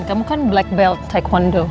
kamu kan black belt taekwondo